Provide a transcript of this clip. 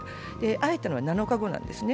会えたのは７日後なんですね。